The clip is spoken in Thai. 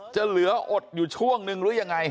จะเหลืออดอยู่ช่วงนึงหรือยังไง